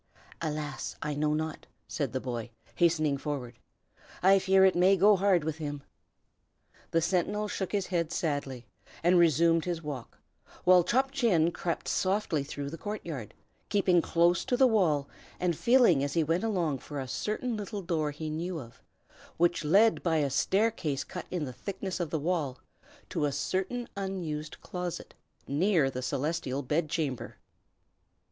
"Alas! I know not," said the boy, hastening forward. "I fear it may go hard with him." The sentinel shook his head sadly, and resumed his walk; while Chop Chin crept softly through the court yard, keeping close to the wall, and feeling as he went along for a certain little door he knew of, which led by a staircase cut in the thickness of the wall to a certain unused closet, near the Celestial Bed chamber.